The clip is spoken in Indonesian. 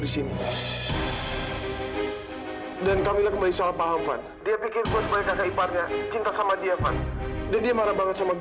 sampai jumpa di video selanjutnya